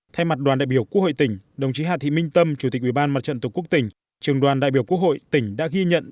thay mặt đoàn đại biểu quốc hội tỉnh đồng chí hà thị minh tâm chủ tịch ubnd tqt trường đoàn đại biểu quốc hội tỉnh đã ghi nhận